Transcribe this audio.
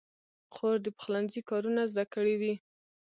خور د پخلنځي کارونه زده کړي وي.